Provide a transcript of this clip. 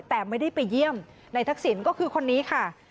แต่ไม่ได้ไปเยี่ยมนายทักษิณก็คือคนนี้ค่ะ